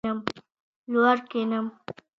لوړ کښېنم.